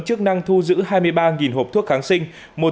chức năng thu giữ hai mươi ba hộp thuốc kháng sinh